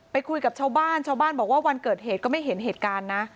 คุยกับชาวบ้านชาวบ้านบอกว่าวันเกิดเหตุก็ไม่เห็นเหตุการณ์นะ